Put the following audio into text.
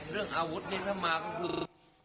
เรื่องอาวุธนี่ถ้ามาก็คือ